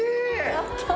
やった。